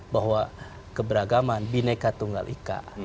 bahwa keberagaman bineka tunggal ika